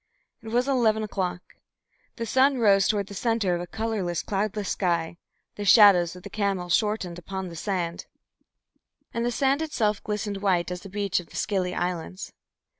It was eleven o'clock. The sun rose toward the centre of a colourless, cloudless sky, the shadows of the camels shortened upon the sand, and the sand itself glistened white as a beach of the Scilly Islands.